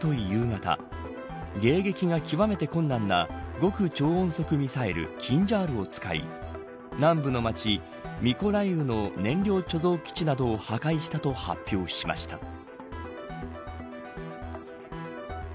夕方迎撃が極めて困難な極超音速ミサイルキンジャールを使い南部の町ミコライウの燃料貯蔵基地などを破壊したと発表しました。